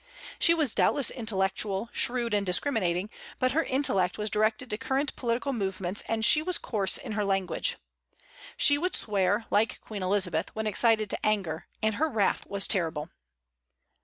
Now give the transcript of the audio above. She was doubtless intellectual, shrewd, and discriminating; but her intellect was directed to current political movements, and she was coarse in her language. She would swear, like Queen Elizabeth, when excited to anger, and her wrath was terrible.